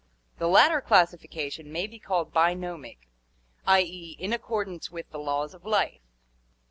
The latter classification may be called bionomic, i. e.f in accordance with the laws of life.